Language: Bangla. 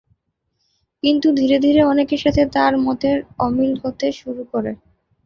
কিন্তু ধীরে ধীরে অনেকের সাথে তাঁর মতের অমিল হতে শুরু করে।